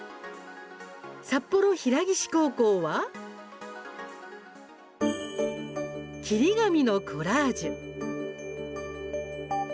札幌平岸高校は切り紙のコラージュ。